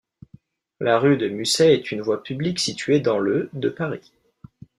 La rue de Musset est une voie publique située dans le de Paris.